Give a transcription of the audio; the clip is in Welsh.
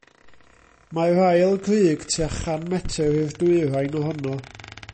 Mae'r ail grug tua chan metr i'r dwyrain ohono.